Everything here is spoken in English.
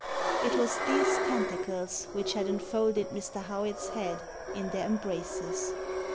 It was these tentacles which had enfolded Mr. Howitt's head in their embraces.